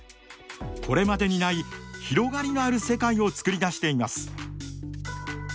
これまでにない広がりのある世界を作り出しています。